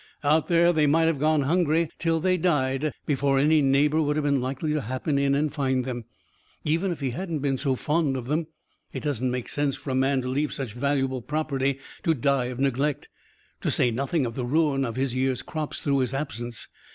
Out there they might have gone hungry till they died before any neighbour would have been likely to happen in and find them. Even if he hadn't been so fond of them, it doesn't make sense for a man to leave such valuable property to die of neglect. To say nothing of the ruin of his year's crops through his absence.